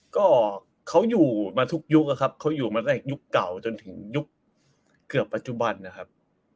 ก็เขาอยู่มาทุกยุคอะครับเขาอยู่มาตั้งแต่ยุคเก่าจนถึงยุคเกือบปัจจุบันนะครับ